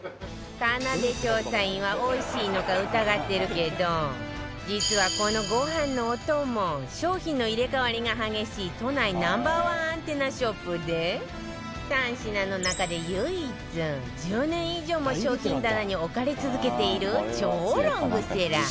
かなで調査員はおいしいのか疑ってるけど実はこのご飯のお供商品の入れ替わりが激しい都内 Ｎｏ．１ アンテナショップで３品の中で唯一１０年以上も商品棚に置かれ続けている超ロングセラー